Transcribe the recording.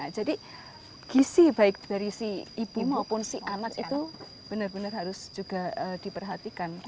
jadi gisi baik dari si ibu maupun si anak itu benar benar harus juga diperhatikan